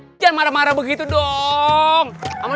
hujan marah marah begitu dong